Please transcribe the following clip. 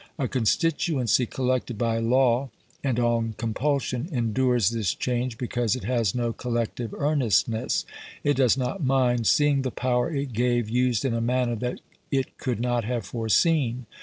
A constituency collected by law and on compulsion endures this change because it has no collective earnestness; it does not mind seeing the power it gave used in a manner that it could not have foreseen.